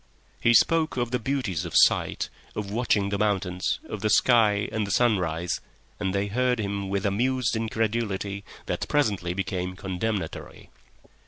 He spoke of the beauties of sight, of watching the mountains, of the sky and the sunrise, and they heard him with amused incredulity that presently became condemnatory.